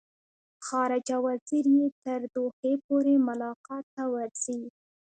خارجه وزیر یې تر دوحې پورې ملاقات ته ورځي.